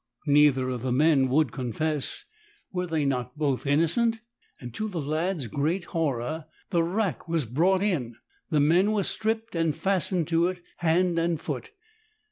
Neither of the men would confess — were they not 163 both innocent ?— and, to the lad's great horror, the rack was brought in, the men were stripped and fastened to it hand and foot.